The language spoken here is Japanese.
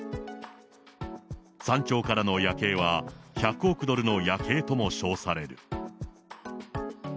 山頂からの夜景は１００億ドルの夜景とも称される。